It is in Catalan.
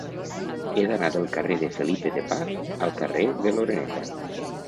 He d'anar del carrer de Felipe de Paz al carrer de l'Oreneta.